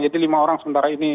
jadi lima orang sementara ini